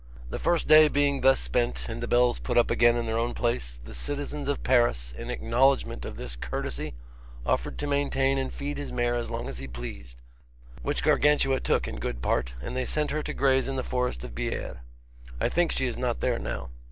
The first day being thus spent, and the bells put up again in their own place, the citizens of Paris, in acknowledgment of this courtesy, offered to maintain and feed his mare as long as he pleased, which Gargantua took in good part, and they sent her to graze in the forest of Biere. I think she is not there now.